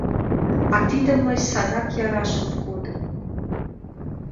А тидым мый садак яраш ом кодо.